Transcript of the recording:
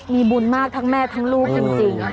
มีบุญมากทั้งแม่ทั้งลูกจริง